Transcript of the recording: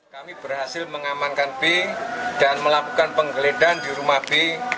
kami berhasil mengamankan b dan melakukan penggeledahan di rumah b